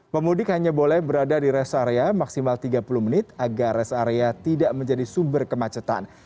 pemudik hanya boleh berada di rest area maksimal tiga puluh menit agar rest area tidak menjadi sumber kemacetan